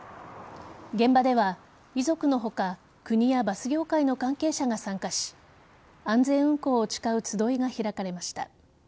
現場では遺族の他国やバス業界の関係者が参加し安全運行を誓う集いが開かれました。